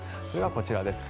こちらです。